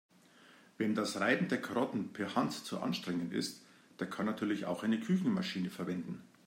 Wem das Reiben der Karotten per Hand zu anstrengend ist, der kann natürlich auch eine Küchenmaschine verwenden.